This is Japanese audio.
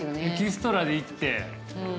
エキストラで行って。